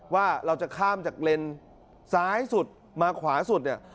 ว่าเราจะข้ามจากเลนซ้ายสุดมาขวาสุดเนี่ย